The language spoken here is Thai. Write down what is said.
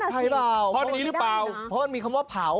ใช่หรือเปล่าคล้อนคือของมีคำว่าเผา